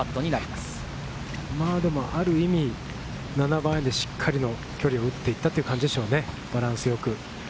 まぁでも、ある意味７番アイアンでしっかりの距離を打っていたという感じでしょうね、バランスよく。